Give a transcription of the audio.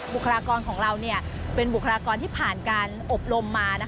บุคลากรของเราเป็นบุคลากรที่ผ่านการอบรมมา